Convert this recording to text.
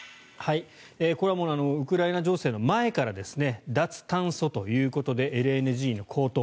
これはウクライナ情勢の前からですね脱炭素ということでＬＮＧの高騰。